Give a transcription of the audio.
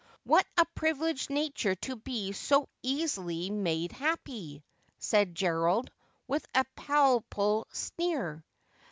' What a privileged nature to be so easily made happy !' said Gernld, with a palpable sneer.